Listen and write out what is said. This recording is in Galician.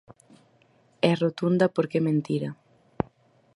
É rotunda porque é mentira.